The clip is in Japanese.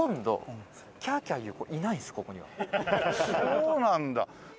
そうなんだ。